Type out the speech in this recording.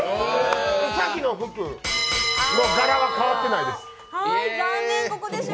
兎の服の柄は変わってないです。